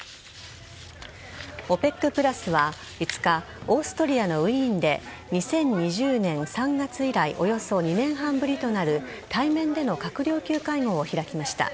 ＯＰＥＣプラスは５日、オーストリアのウィーンで２０２０年３月以来およそ２年半ぶりとなる対面での閣僚級会合を開きました。